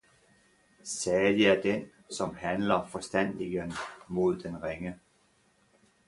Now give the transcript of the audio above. »Salig er Den, som handler forstandigen mod den Ringe.